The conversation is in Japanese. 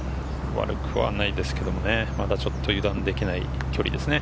悪くはないですけどね、まだちょっと油断できない距離ですね。